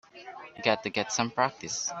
Got to get some practice.